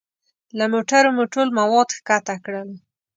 له موټرو مو ټول مواد ښکته کړل.